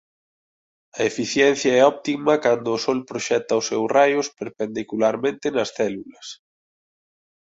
A eficiencia é óptima cando o Sol proxecta os seus raios perpendicularmente nas células.